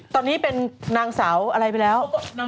ตอนนี้เป็นนางสาวอะไรไปแล้ว